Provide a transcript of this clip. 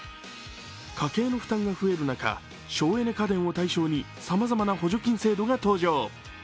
家計の負担が増える中、省エネ家電を対象にさまざまな補助金制度が登場。